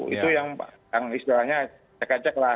itu yang istilahnya ceknya cek lah